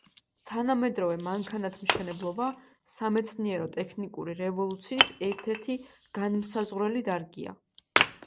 თანამედროვე მანქანათმშენებლობა სამეცნიერო–ტექნიკური რევოლუციის ერთ–ერთი განმსაზღვრელი დარგია.